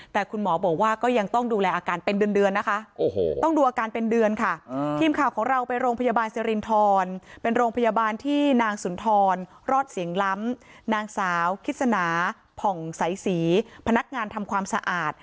แต่คุณหมอบอกว่าก็ยังต้องดูแลอาการเป็นเดือนนะคะต้องดูอาการเป็นเดือนค่ะทีมข่าวของเราไปโรงพยาบาลสิรินทรเป็นโรงพยาบาลที่นางสุนทรรอดเสียงล้ำนางสาวคิสนาผ่องใสศรีพนักงานทำความสะอาด